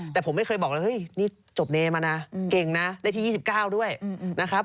แต่ผมไม่เคยบอกแล้วเฮ้ยนี่จบเนมานะเก่งนะได้ที่๒๙ด้วยนะครับ